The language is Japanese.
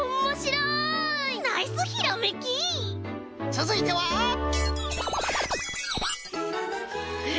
つづいては。え！